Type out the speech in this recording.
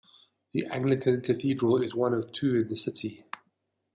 The Anglican cathedral is one of two in the city.